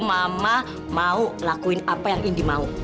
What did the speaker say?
mama mau lakuin apa yang indi mau